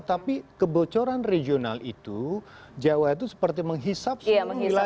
tapi kebocoran regional itu jawa itu seperti menghisap semua wilayah